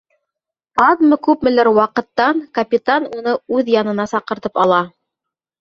Аҙмы-күпмелер ваҡыттан капитан уны үҙ янына саҡыртып ала: